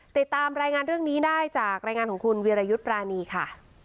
ติดตามรายงานเรื่องนี้ได้จากรายงานของคุณวีรยุทธ์ปรานีค่ะ